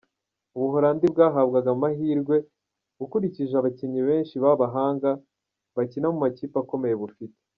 Ubuholandi bwahabwaga amahirwe ukurikije abakinnyi benshi b’abahanga bakina mu makipe akomeye bufite.